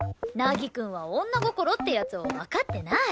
凪くんは女心ってやつをわかってない。